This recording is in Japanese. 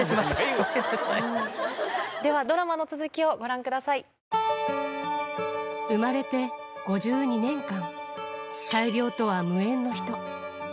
今、ちょっとでは、ドラマの続きをご覧く生まれて５２年間、大病とは無縁の人。